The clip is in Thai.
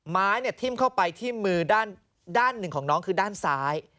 ไม้ทิ้มเข้าไปที่มือด้านหนึ่งของน้องคือด้านซ้าย